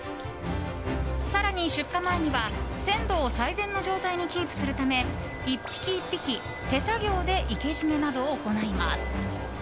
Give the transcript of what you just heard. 更に出荷前には鮮度を最善の状態にキープするため１匹１匹、手作業で生けじめなどを行います。